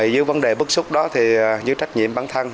những vấn đề bức xúc đó thì dưới trách nhiệm bản thân